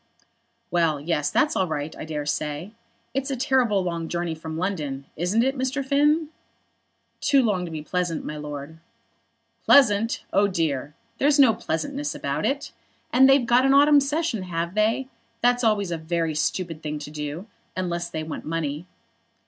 "Well, yes; that's all right, I dare say. It's a terrible long journey from London, isn't it, Mr. Finn?" "Too long to be pleasant, my lord." "Pleasant! Oh, dear. There's no pleasantness about it. And so they've got an autumn session, have they? That's always a very stupid thing to do, unless they want money."